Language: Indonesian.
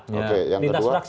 oke yang kedua